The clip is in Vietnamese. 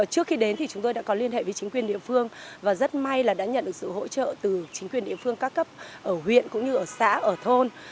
trước khi đến thì chúng tôi đã có liên hệ với chính quyền địa phương và rất may là đã nhận được sự hỗ trợ từ chính quyền địa phương các cấp ở huyện cũng như ở xã ở thôn